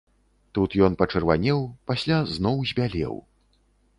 Тут ён пачырванеў, пасля зноў збялеў.